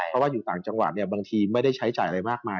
เพราะว่าอยู่ต่างจังหวัดไม่ได้ใช้จ่ายอะไรมากมาย